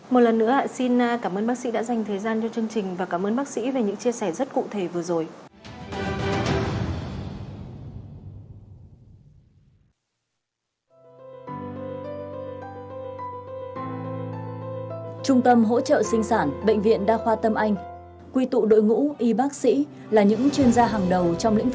một lần nữa xin cảm ơn bác sĩ đã dành thời gian cho chương trình và cảm ơn bác sĩ về những chia sẻ rất cụ thể vừa rồi